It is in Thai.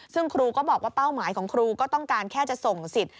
ซึ่งครูก็บอกว่าเป้าหมายของครูก็ต้องการแค่จะส่งสิทธิ์